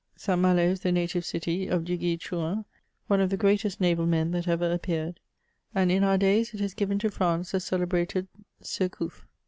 St. Malo is the native city of Duguay Trouin, one of the greatest naval men that ever appeared ; and in our days it has given to France the celebrated Surcouf.